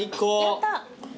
やったあ。